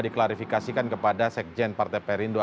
diklarifikasikan kepada sekjen partai perindo